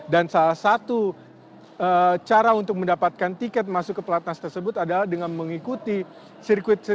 dan salah satu cara untuk mendapatkan tiket masuk ke pelatnas tersebut adalah dengan mengikuti sirkuit nasional